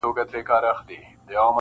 انسانيت د پېښې تر سيوري للاندي ټپي کيږي-